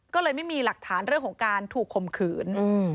ก็เลยไม่มีหลักฐานเรื่องของการถูกข่มขืน